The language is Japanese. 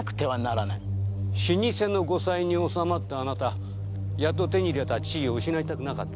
老舗の後妻に納まったあなたはやっと手に入れた地位を失いたくなかった。